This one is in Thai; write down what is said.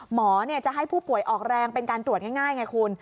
หมอจะให้ผู้ป่วยออกแรงเป็นการตรวจง่ายไงคุณ